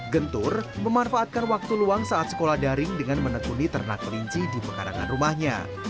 gentur memanfaatkan waktu luang saat sekolah daring dengan menekuni ternak kelinci di perkarangan rumahnya